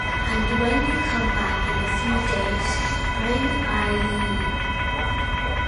And when you come back in a few days, bring Eileen.